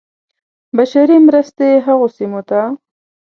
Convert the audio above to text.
بشري مرستې هغو سیمو ته.